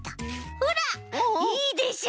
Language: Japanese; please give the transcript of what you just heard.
ほらいいでしょ？